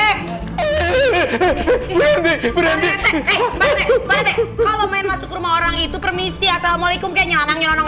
kalau main masuk rumah orang itu permisi assalamualaikum kayak nyelamang nyelonong